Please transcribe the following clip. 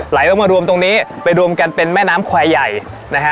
ไหลลงมารวมตรงนี้ไปรวมกันเป็นแม่น้ำควายใหญ่นะฮะ